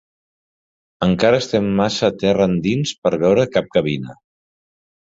Encara estem massa terra endins per veure cap gavina.